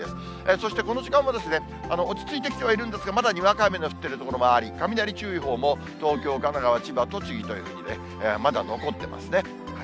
そしてこの時間も、落ち着いてきてはいるんですが、まだにわか雨の降っている所もあり、雷注意報も、東京、神奈川、千葉、栃木というふうにね、まだ残ってますね。